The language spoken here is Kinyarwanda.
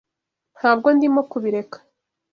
Ntabwo ndimo kubireka.